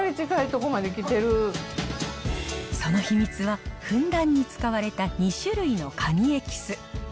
その秘密は、ふんだんに使われた２種類のカニエキス。